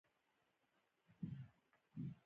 او پۀ لمنه يې شيشې پاکې کړې